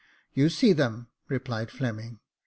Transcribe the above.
" You see them," replied Fleming.